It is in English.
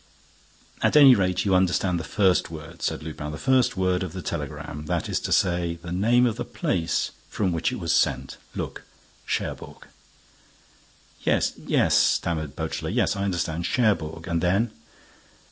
"At any rate, you understand the first word," said Lupin, "the first word of the telegram—that is to say, the name of the place from which it was sent—look—'Cherbourg.'" "Yes—yes," stammered Beautrelet. "Yes—I understand—'Cherbourg' and then?"